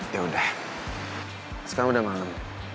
ya udah sekarang udah malem